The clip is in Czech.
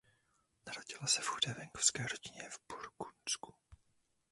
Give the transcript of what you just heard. Narodila se v chudé venkovské rodině v Burgundsku.